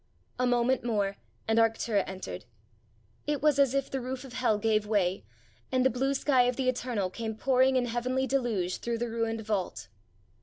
A moment more and Arctura entered: it was as if the roof of hell gave way, and the blue sky of the eternal came pouring in heavenly deluge through the ruined vault.